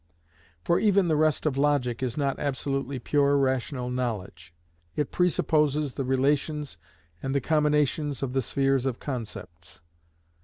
For even the rest of logic is not absolutely pure rational knowledge. It presupposes the relations and the combinations of the spheres of concepts.